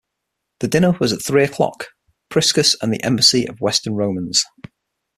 The dinner was at three O'clock; Priscus and the embassy of Western Romans.